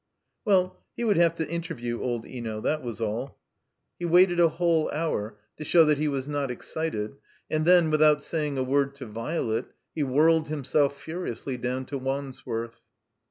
Well, he would have to interview old Eno, that was all. He waited a whole hour, to show that he was not exdted; and then, without saying a word to Violet, he whirled himself furiously down to Wandsworth.